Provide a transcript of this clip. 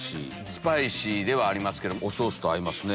スパイシーではありますけどおソースと合いますね。